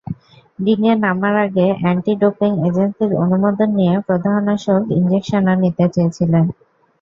রিংয়ে নামার আগে অ্যান্টিডোপিং এজেন্সির অনুমোদন নিয়ে প্রদাহনাশক ইনজেকশনও নিতে চেয়েছিলেন।